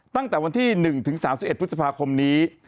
ตั้งแต่วันที่๑ถึง๓๑พฤษภาคมนี้